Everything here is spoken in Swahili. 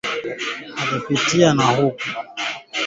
namna ya kuchanganya karanga na viazi lishe